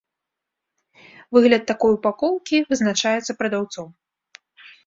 Выгляд такой упакоўкі вызначаецца прадаўцом.